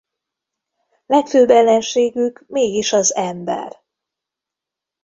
Legfőbb ellenségük mégis az ember.